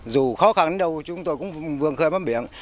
dù khó khăn đến đâu chúng tôi cũng vươn khơi bám biển